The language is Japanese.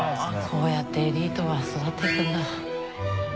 こうやってエリートは育っていくんだ。